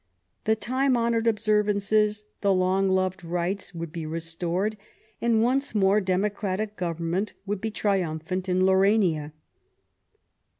The time honoured observances, the long loved rights would be restored, and once more democratic government would be triumphant in Laurania.